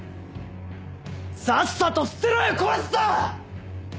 さっさと捨てろよ殺すぞ‼